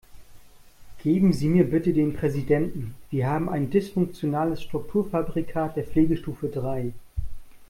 Geben Sie mir bitte den Präsidenten, wir haben ein dysfunktionales Strukturfabrikat der Pflegestufe drei.